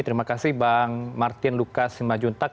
terima kasih bang martin lukas simajuntak